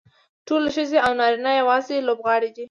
ټولې ښځې او نارینه یوازې لوبغاړي دي.